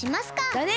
だね！